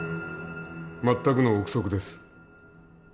全くの臆測です。